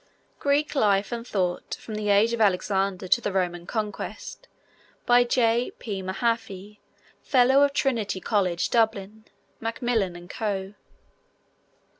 Greek Life and Thought: from the Age of Alexander to the Roman Conquest. By J. P. Mahaffy, Fellow of Trinity College, Dublin. (Macmillan and Co.)